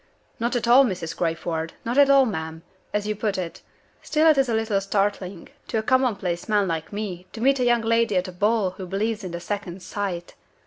"Not at all, Mrs. Crayford not at all, ma'am, as you put it. Still it is a little startling, to a commonplace man like me, to meet a young lady at a ball who believes in the Second Sight.